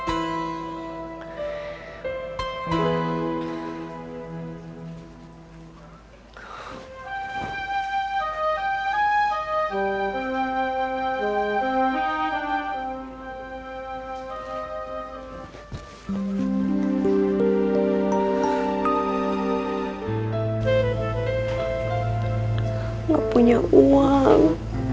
enggak punya uang